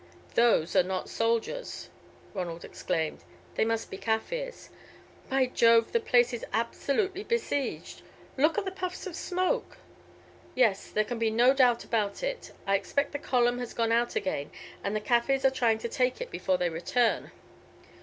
"Those are not soldiers," Ronald exclaimed, "they must be Kaffirs. By Jove, the place is absolutely besieged. Look at the puffs of smoke. Yes, there can be no doubt about it. I expect the column has gone out again, and the Kaffirs are trying to take it before they return.